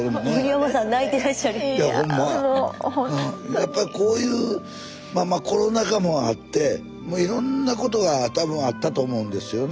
やっぱこういうまあまあコロナ禍もあってもういろんなことが多分あったと思うんですよね。